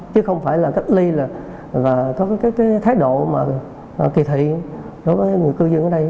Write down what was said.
chứ không phải là cách ly là có cái thái độ mà kỳ thị đối với người cư dân ở đây